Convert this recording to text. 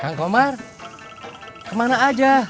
kang komar kemana aja